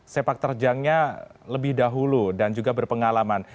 sepak terjangnya lebih dahulu dan juga berpengalaman